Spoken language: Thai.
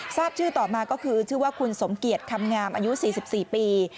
ทราบชื่อต่อมาก็คือชื่อว่าคุณสมเกียจคำงามอายุ๔๔ปี